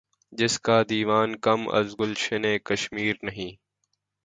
جس کا دیوان کم از گلشنِ کشمیر نہیں